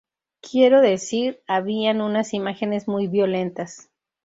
Quiero decir, habían unas imágenes muy violentas.